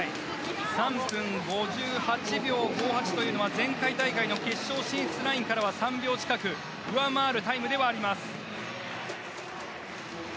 ３分５８秒５８というのは前回大会の決勝進出ラインからは３秒近く上回るタイムではあります。